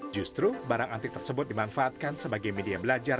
justru barang antik tersebut dimanfaatkan sebagai media belajar